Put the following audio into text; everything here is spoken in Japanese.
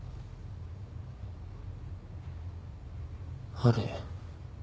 あれ？